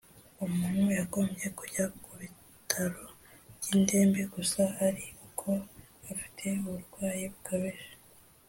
Umuntu yagombye kujya ku bitaro by indembe gusa ari uko afite uburwayi bukabije